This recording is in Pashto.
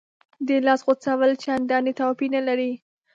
د لاس غوڅول چندانې توپیر نه لري.